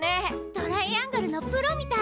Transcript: トライアングルのプロみたい。